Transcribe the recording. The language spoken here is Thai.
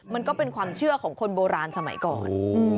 มันก็เป็นความเชื่อของคนโบราณสมัยก่อน